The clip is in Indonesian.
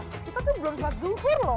kita kan belum saat zuhur loh